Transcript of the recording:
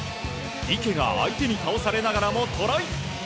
池が相手に倒されながらもトライ。